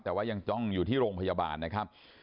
แต่ว่ายังต้องอยู่ที่โรงพยาบาลนะครับ